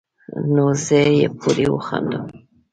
نو زۀ پورې وخاندم ـ